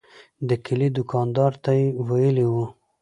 د کلي دوکاندار ته یې ویلي و.